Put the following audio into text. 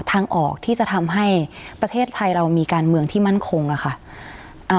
ทางออกที่จะทำให้ประเทศไทยเรามีการเมืองที่มั่นคงอ่ะค่ะอ่า